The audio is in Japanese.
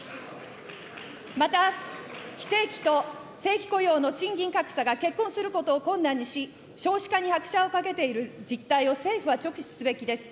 また、非正規と正規雇用の賃金格差が結婚することを困難にし、少子化に拍車をかけている実態を政府は直視すべきです。